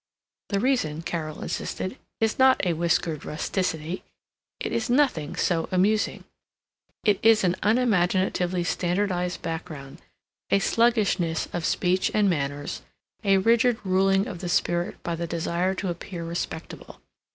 The reason, Carol insisted, is not a whiskered rusticity. It is nothing so amusing! It is an unimaginatively standardized background, a sluggishness of speech and manners, a rigid ruling of the spirit by the desire to appear respectable.